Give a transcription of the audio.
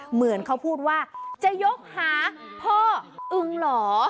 เหมือนเขาพูดว่าจะยกหาพ่ออึงเหรอ